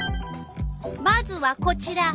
まずはこちら。